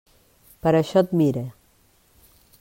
Per això et mire.